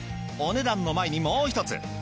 お値段の前にもう一つ。